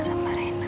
aku mau ke sana